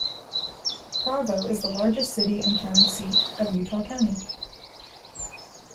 Provo is the largest city and county seat of Utah County.